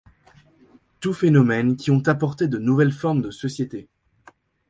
Tout phénomène qui ont apporté de nouvelles formes de société.